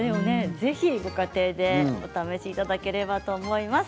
ぜひご家庭でお試しいただければと思います。